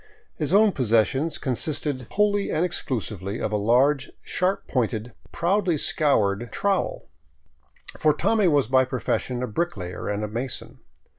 His own possessions consisted wholly and exclusively of a large, sharp pointed, proudly scoured trowel; for Tommy was by profession a bricklayer and mason.